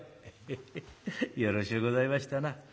「エヘヘよろしゅうございましたな」。